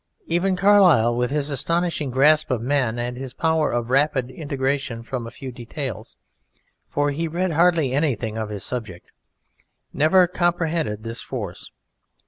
Even Carlyle, with his astonishing grasp of men and his power of rapid integration from a few details (for he read hardly anything of his subject), never comprehended this force.